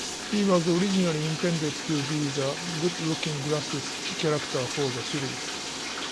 He was originally intended to be the "good-looking glasses" character for the series.